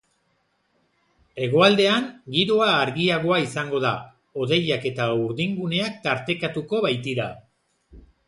Hegoaldean giroa argiagoa izango da, hodeiak eta urdinguneak tartekatuko baitira.